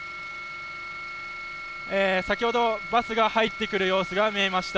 先ほどバスが入ってくる様子が見えました。